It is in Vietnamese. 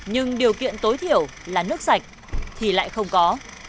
nhưng điều kiện tối thiểu là nước sạch thì lại không có